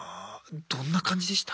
どんな感じでした？